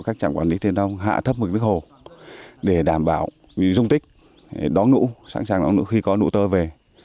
các trạm quản lý thiên đông hạ thấp mực viết hồ để đảm bảo dung tích đón nũ sẵn sàng đón nũ khi có nụ tơ về